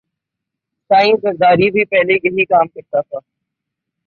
سائیں زرداری بھی پہلے یہئ کام کرتا تھا